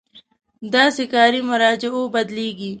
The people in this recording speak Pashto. داسې کاري مراجعو بدلېږي.